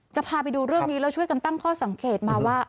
จะพาไปดูเรื่องนี้แล้วช่วยกันตั้งข้อสังเกตมาว่า